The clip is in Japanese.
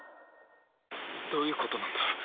どういうことなんだ？